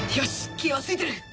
キーはついてる！